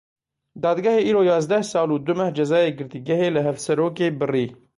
Dadgehê îro yazdeh sal û du meh cezayê girtîgehê li Hevserokê birî.